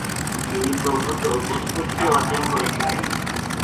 তিনি প্রভূত ব্যুৎপত্তি অর্জন করে ছিলেন।